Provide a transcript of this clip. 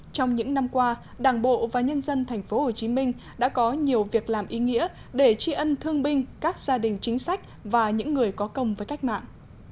trong những năm qua đảng bộ và nhân dân tp hcm đã có nhiều việc làm ý nghĩa để tri ân thương binh các gia đình chính sách và những người có công với cách mạng